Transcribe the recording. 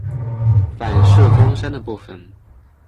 反射光栅的部分。